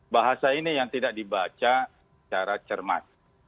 bahasa ini yang tidak dibaca secara cermat